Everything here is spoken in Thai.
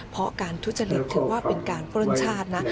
เพราะการทุจริตถือว่าเป็นการปล้นชาตินะ